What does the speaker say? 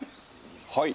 はい。